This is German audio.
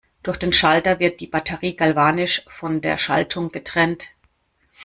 Durch den Schalter wird die Batterie galvanisch von der Schaltung getrennt.